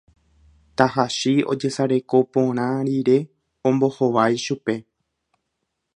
Tahachi ojesareko porã rire ombohovái chupe